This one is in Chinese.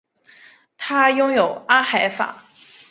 它拥有阿海珐。